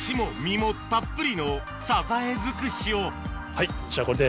はいじゃあこれで。